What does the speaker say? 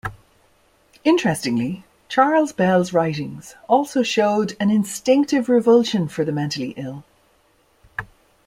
Interestingly, Charles Bell's writings also showed an instinctive revulsion for the mentally ill.